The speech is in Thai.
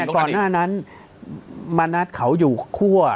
ก่อนหน้านั้นมณัฐเขาอยู่คั่ว